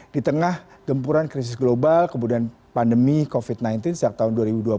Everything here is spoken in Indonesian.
di tengah gempuran krisis global kemudian pandemi covid sembilan belas sejak tahun dua ribu dua puluh